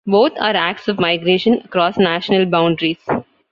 Both are acts of migration across national boundaries.